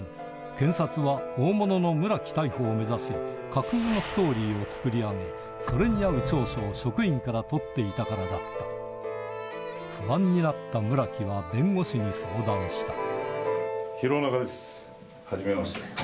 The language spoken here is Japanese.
検察は大物の村木逮捕を目指し架空のストーリーを作り上げそれに合う調書を職員から取っていたからだった不安になった村木は弁護士に相談した弘中ですはじめまして。